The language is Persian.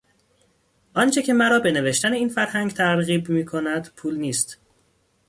آنچه که مرا به نوشتن این فرهنگ ترغیب میکند، پول نیست.